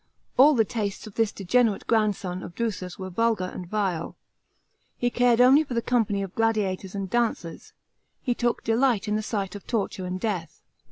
All the tastes of this degenerate grandson of Drusus were vulgar and vile. He cared only for the company of gladiators and dancers; he took delight in the siuht of torture and death.